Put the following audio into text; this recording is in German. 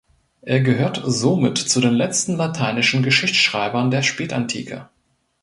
Er gehört somit zu den letzten lateinischen Geschichtsschreibern der Spätantike.